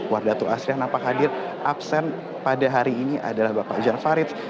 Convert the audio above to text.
wardatu asri yang nampak hadir absen pada hari ini adalah bapak ujan farid